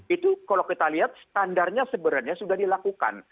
itu kalau kita lihat standarnya sebenarnya sudah dilakukan